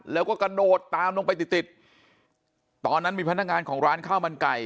แล้วก็กระโดดตามลงไปติดติดตอนนั้นมีพนักงานของร้านข้าวมันไก่